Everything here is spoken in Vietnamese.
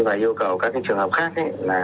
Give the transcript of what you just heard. và yêu cầu các trường hợp khác